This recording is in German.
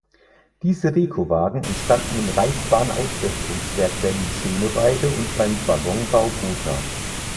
Diese Rekowagen entstanden im Reichsbahnausbesserungswerk Berlin-Schöneweide und beim Waggonbau Gotha.